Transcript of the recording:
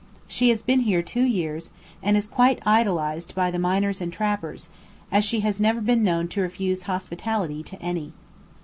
She has been here two years, and is quite idolized by the miners and trappers, as she has never been known to refuse hospitality to any.